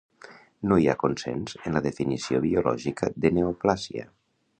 No hi ha consens en la definició biològica de neoplàsia.